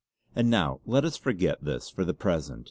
And now let us forget this for the present.